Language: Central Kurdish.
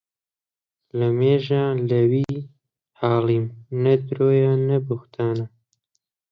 لە مێژە لە وی حاڵیم نە درۆیە نە بوختانە